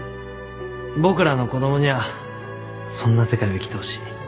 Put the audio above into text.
僕らの子供にゃあそんな世界を生きてほしい。